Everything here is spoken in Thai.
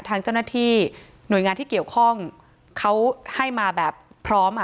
ทางเจ้าหน้าที่หน่วยงานที่เกี่ยวข้องเขาให้มาแบบพร้อมอ่ะ